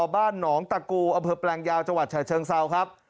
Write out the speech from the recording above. บ้านหนองตะกูอำเภอแปลงยาวจังหวัดฉะเชิงเซาครับ